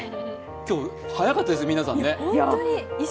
今日、早かったですね、皆さんね。